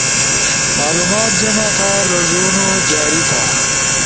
معلومات جمع تھا, رازونو جاری تھا